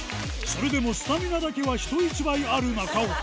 それでもスタミナだけは人一倍ある中岡。